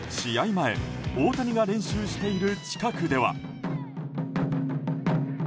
前大谷が練習している近くでは。